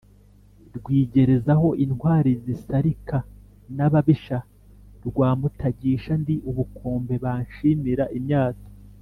Rwigerezaho intwali zisarika n’ababisha rwa Mutagisha ndi ubukombe banshimira imyato,